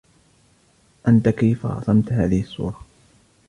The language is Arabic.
أنتَ كيف رَسَمت هذه الصورة؟